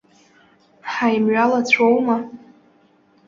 Ҳаимҩалацәоума?